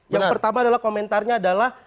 yang pertama adalah komentarnya adalah